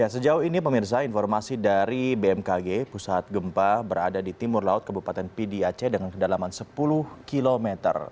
sejauh ini pemirsa informasi dari bmkg pusat gempa berada di timur laut kebupaten pidi aceh dengan kedalaman sepuluh km